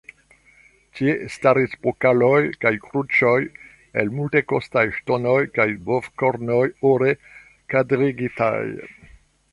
Tie staris pokaloj kaj kruĉoj el multekostaj ŝtonoj kaj bovkornoj, ore kadrigitaj.